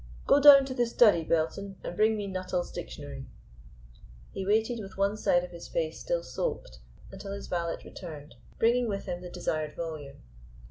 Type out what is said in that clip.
Go down to the study, Belton, and bring me Nuttall's Dictionary." He waited with one side of his face still soaped until his valet returned, bringing with him the desired volume.